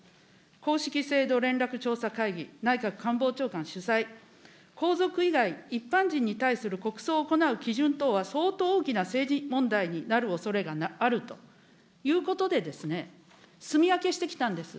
こうしき制度連絡調査会議、内閣官房長官主催、皇族以外、一般人に対する国葬を行う基準等は相当大きな政治問題になるおそれがあるということで、住み分けしてきたんです。